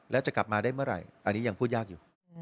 แล้วจะกลับมาได้เมื่อไหร่อันนี้ยังพูดยากอยู่